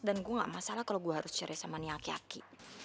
dan gue gak masalah kalo gue harus cerai sama nih aki aki